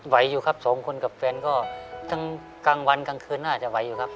ไหวอยู่ครับสองคนกับแฟนก็ทั้งกลางวันกลางคืนน่าจะไหวอยู่ครับ